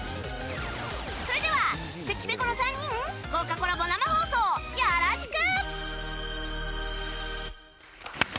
それでは関ぺこの３人豪華コラボ生放送、よろしく！